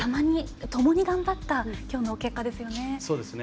ともに頑張った今日の結果ですね。